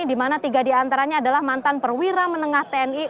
di mana tiga diantaranya adalah mantan perwira menengah tni